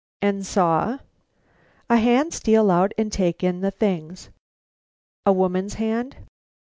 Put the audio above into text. "And saw " "A hand steal out and take in the things." "A woman's hand?"